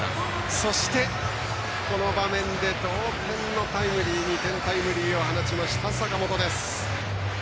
そして、この場面で同点の２点タイムリーを放ちました坂本。